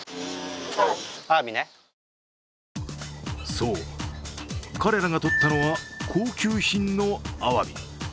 そう、彼らがとったのは、高級品のあわび。